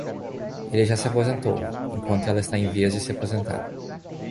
Ele já se aposentou, enquanto ela está em vias de se aposentar